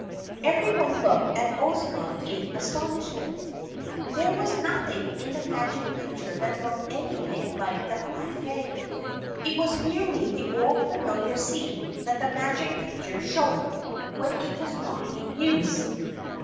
Everyone looked at Ozma in astonishment. There was nothing in the Magic Picture that looked anything like the Black Bag. It was merely the old familiar scene that the magic picture showed when it was not in use.